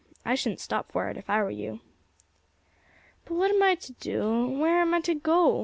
I shouldn't stop for it if I were you." "But what am I to do? where am I to go?"